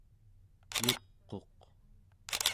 yuq'uq